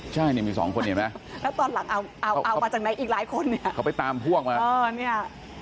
ใช่เนี่ยมีสองคนเห็นไหมแล้วตอนหลังเอาเอามาจากไหนอีกหลายคนเนี่ยเขาไปตามพวกมาเออเนี่ย